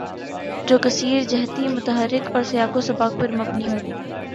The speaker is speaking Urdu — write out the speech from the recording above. جو کثیر جہتی، متحرک اور سیاق و سباق پر مبنی ہو